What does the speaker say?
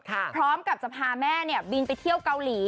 พร้อมกับจะพาแม่บินไปเที่ยวเกาหลี